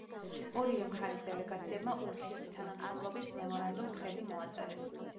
ორივე მხარის დელეგაციებმა ურთიერთთანამშრომლობის მემორანდუმს ხელი მოაწერეს.